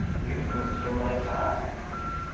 Yiwet n ssuma i sɛant?